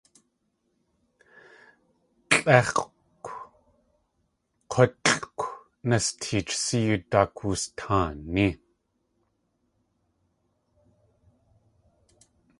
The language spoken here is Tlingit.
Lʼéx̲ʼkw, k̲útlʼkw nasteech séew daak wustaaní.